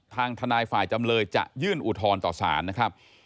ทางทนายฝ่ายจำเลยจะยื่นอุทธรณ์ต่อสารนะครับ